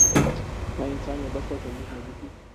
ایا انسان یو بشپړ ټولنیز موجود دی؟